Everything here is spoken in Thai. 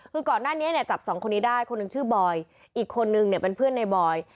คือก่อนหน้านี้เนี่ยจับสองคนนี้ได้คนหนึ่งชื่อบอยอีกคนนึงเนี่ยเป็นเพื่อนในบอย